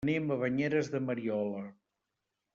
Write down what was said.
Anem a Banyeres de Mariola.